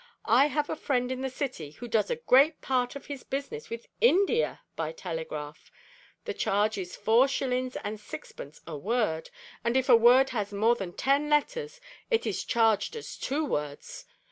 I have a friend in the City who does a great part of his business with India by telegraph. The charge is four shillings and sixpence a word, and if a word has more than ten letters it is charged as two words.